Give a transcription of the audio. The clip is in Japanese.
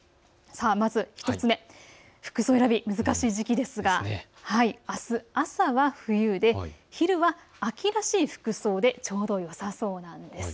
１つ目、服装選び難しいですが、あす、朝は冬で昼間は秋らしい服装でちょうどよさそうなんです。